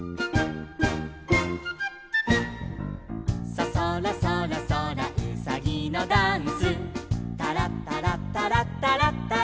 「ソソラソラソラうさぎのダンス」「タラッタラッタラッタラッタラッタラッタラ」